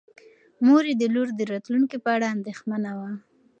مور یې د لور د راتلونکي په اړه اندېښمنه وه.